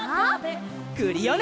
クリオネ！